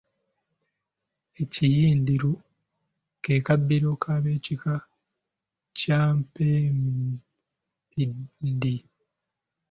Ekiyindiru ke kabbiro k’abekika ky’abempindi.